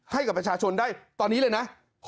ให้กับประชาชนได้ตอนนี้เลยนะ